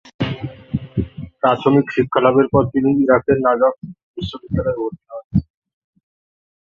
প্রাথমিক শিক্ষালাভের পর তিনি ইরাকের নাজাফ বিশ্ববিদ্যালয়ে ভর্তি হন।